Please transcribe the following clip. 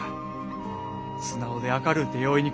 素直で明るうて容易にくじけん。